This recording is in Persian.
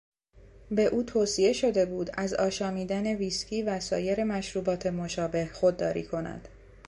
به او توصیه شده بود از آشامیدن ویسکی و سایر مشروبات مشابه خودداری کند.